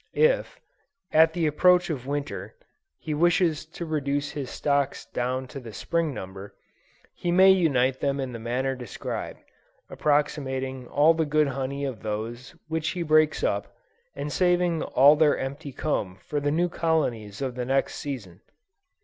If, at the approach of Winter, he wishes to reduce his stocks down to the Spring number, he may unite them in the manner described, appropriating all the good honey of those which he breaks up, and saving all their empty comb for the new colonies of the next season.